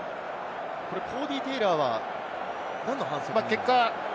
コーディー・テイラーは何の反則ですか？